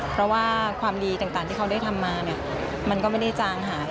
เพราะว่าความดีต่างที่เขาได้ทำมาเนี่ยมันก็ไม่ได้จางหาย